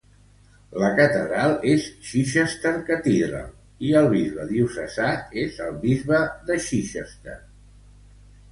La catedral és Chichester Cathedral i el bisbe diocesà és el Bisbe de Chichester.